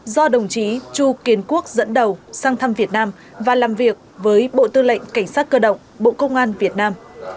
do đồng chí chu kiến quốc dẫn đầu sang thăm việt nam và làm việc với bộ tư lệnh cảnh sát cơ động bộ công an việt nam